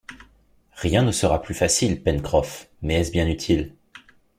Rien ne sera plus facile, Pencroff, mais est-ce bien utile